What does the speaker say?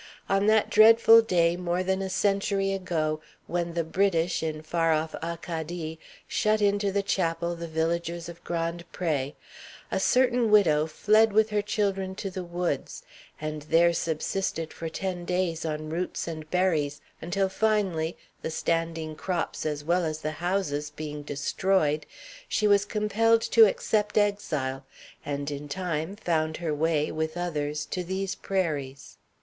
On that dreadful day, more than a century ago, when the British in far off Acadie shut into the chapel the villagers of Grand Pré, a certain widow fled with her children to the woods, and there subsisted for ten days on roots and berries, until finally, the standing crops as well as the houses being destroyed, she was compelled to accept exile, and in time found her way, with others, to these prairies.